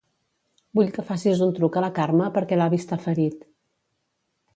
Vull que facis un truc a la Carme perquè l'avi està ferit.